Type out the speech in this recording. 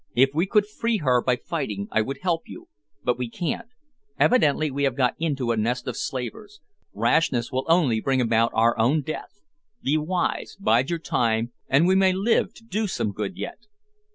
"If we could free her by fighting, I would help you, but we can't. Evidently we have got into a nest of slavers. Rashness will only bring about our own death. Be wise; bide your time, and we may live to do some good yet."